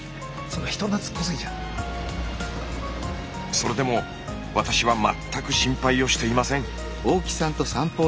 それでも私は全く心配をしていません。